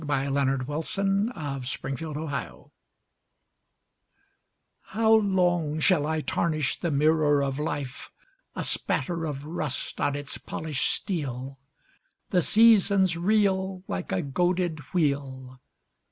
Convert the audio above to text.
The Last Quarter of the Moon How long shall I tarnish the mirror of life, A spatter of rust on its polished steel! The seasons reel Like a goaded wheel.